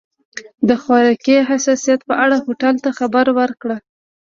د خوراکي حساسیت په اړه هوټل ته خبر ورکړه.